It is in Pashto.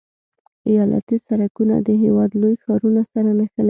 ایالتي سرکونه د هېواد لوی ښارونه سره نښلوي